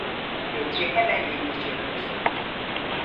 Bedri hemen elini cebine soktu.